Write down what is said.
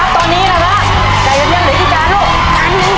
ตอนนี้นะครับไก่กระเทียมเหลืออีก๓ลูก